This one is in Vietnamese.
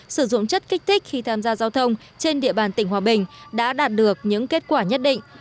sử dụng chất kích thích khi tham gia giao thông trên địa bàn tỉnh hòa bình đã đạt được những kết quả nhất định